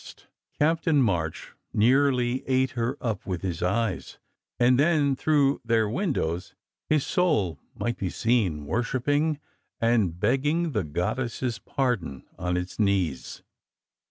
SECRET HISTORY 49 Captain March nearly ate her up with his eyes, and then, through their windows, his soul might be seen worshipping, and begging the goddess s pardon on its knees.